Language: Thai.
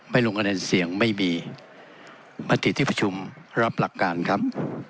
ลงคะแนนเสียงไม่มีมติที่ประชุมรับหลักการครับ